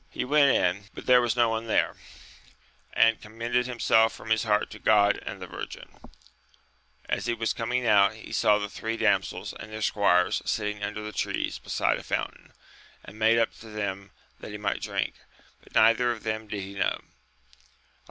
He went in, but there 28 AMADIS OF GAUL. was no one there, and commended himself from his heart to God and the Virgin, As he was coming out, he saw the three damsels and their squires sitting under the trees beside a fountain, and made up to them that he might drink : but neither of them did he know.